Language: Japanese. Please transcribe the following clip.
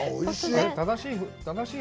正しい？